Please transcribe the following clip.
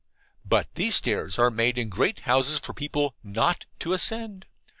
But these stairs are made in great houses for people NOT to ascend.